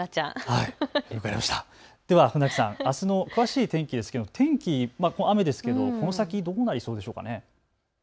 では船木さん、あすの詳しい天気ですけれども天気、雨ですけどこの先どうなりそうでしょうか。